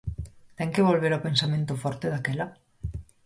Ten que volver o pensamento forte, daquela?